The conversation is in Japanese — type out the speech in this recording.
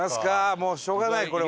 もうしょうがないこれは。